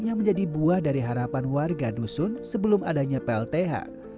yang menjadi buah dari harapan warga dusun sebelum adanya plth